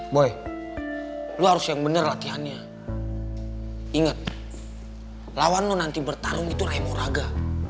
boy lo harus yang bener latihannya inget lawan lo nanti bertarung itu remoraga